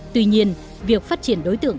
tuy nhiên việc phát triển đối tượng